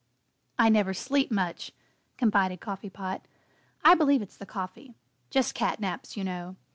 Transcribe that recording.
"I never sleep much," confided Coffee Pot. "I believe it's the coffee just 'cat naps,' you know.